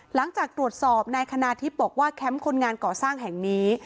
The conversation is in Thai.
หลังจากตรวจสอบนายคณาทิพย์บอกว่าแคมป์คนงานก่อสร้างแห่งนี้